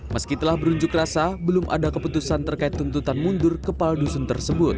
meski telah berunjuk rasa belum ada keputusan terkait tuntutan mundur kepala dusun tersebut